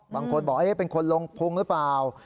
บางคนบอกเป็นคนลงพุงหรือเปล่า